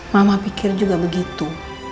mama pikir juga begitu